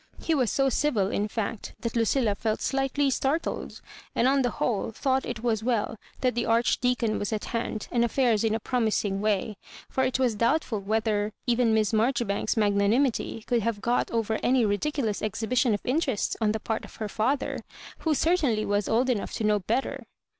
He was so civil, in fact, that Lucilla felt slightly startled, and on the whole thought it was as well that the Archdeacon was at hand, and. affairs in a promising way ; for it was doubt ful whether even Miss Marjoribanks's magnani mity could have got over any ridiculous exhi bition of interest on the part of her father, who certainly was old enough to know better.